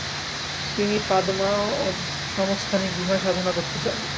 তিনি পাদ-মা-'ওদ নামক স্থানে গুহায় সাধনা করতে যান।